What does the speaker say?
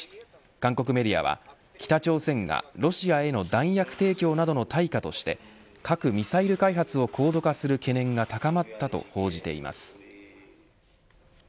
韓国メディアは北朝鮮がロシアへの弾薬提供などの対価として核ミサイル開発を高度化する懸念が高まったと報じています。